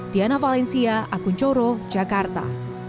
diana valencia akun coro jakarta